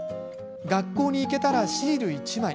学校に行けたらシール１枚。